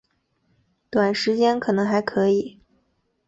短时间可能还可以